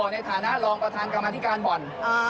ในฐานะรองประธานกรรมธิการบ่อน